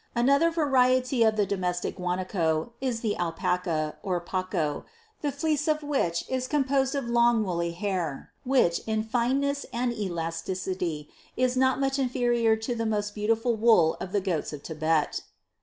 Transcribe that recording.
Another variety of the domestic Guanaco is the Alpaca, or Paco, the fleece of which is composed of long, woolly hair, which, in fineness and elasticity, is not much inferior to the most beautiful wool of the goats of Thibet.